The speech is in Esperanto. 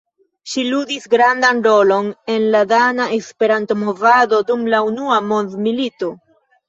Ŝi ludis grandan rolon en la dana Esperanto-movado dum la unua mondmilito.